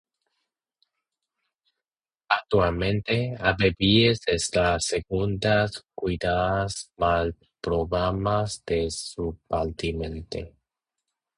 Actualmente, Abbeville es la segunda ciudad más poblada de su departamento.